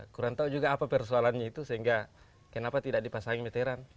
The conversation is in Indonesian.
kurang tahu juga apa persoalannya itu sehingga kenapa tidak dipasangi militeran